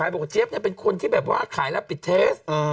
บอกว่าเจี๊ยบเป็นคนที่แบบว่าขายแล้วปิดเทส